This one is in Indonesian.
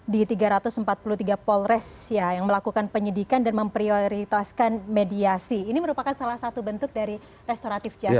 di tiga ratus empat puluh tiga polres yang melakukan penyidikan dan memprioritaskan mediasi ini merupakan salah satu bentuk dari restoratif jakarta